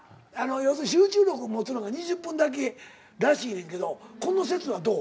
要するに集中力持つのが２０分だけらしいねんけどこの説はどう？